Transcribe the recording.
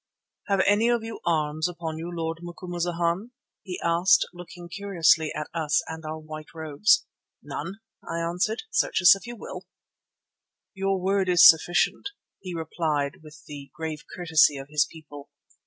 "Have any of you arms upon you, Lord Macumazana?" he asked, looking curiously at us and our white robes. "None," I answered. "Search us if you will." "Your word is sufficient," he replied with the grave courtesy of his people.